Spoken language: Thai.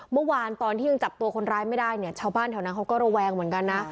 เมื่อวานตอนที่ยังจับตัวคนร้ายไม่ได้เนี่ยชาวบ้านแถวนั้นเขาก็ระแวงเหมือนกันนะ